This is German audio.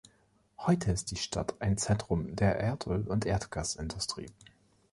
Heute ist die Stadt ein Zentrum der Erdöl- und Erdgasindustrie.